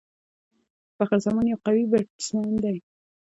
فخر زمان یو قوي بيټسمېن دئ.